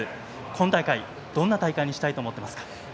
今大会、どんな大会にしたいと思っていますか？